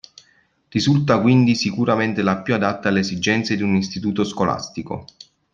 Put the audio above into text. Risulta quindi sicuramente la più adatta alle esigenze di un istituto scolastico.